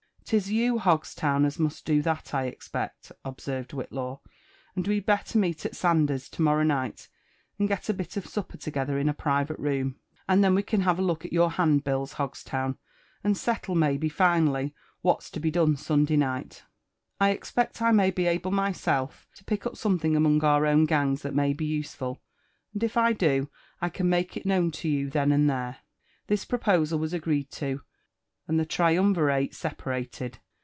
'Tis you, Hogstown, as mtist do that, I expect,*' observed Whitlaw; " and we'd better meet at Sanders's to^morow night, and gQt a bit of supper together in a private room ; and then we can have a look at your handbills, Hogstown, and settle, maybe, iinally what's to b% done Sunday night. I expect I may be able myself to pick up some !' thing among our own gangs that may be useful; and if t do, I can make it known to you then and there." This proposal was agreed to, and the triumvirate separated.